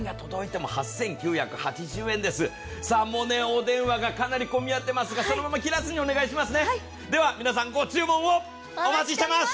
もうお電話がかなり混み合っていますが、そのまま切らずにお願いします。